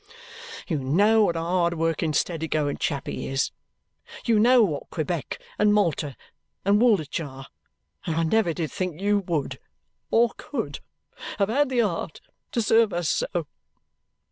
You know what a hard working, steady going chap he is. You know what Quebec and Malta and Woolwich are, and I never did think you would, or could, have had the heart to serve us so.